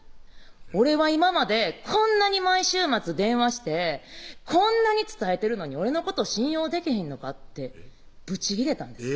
「俺は今までこんなに毎週末電話してこんなに伝えてるのに俺のこと信用でけへんのか？」ってブチ切れたんです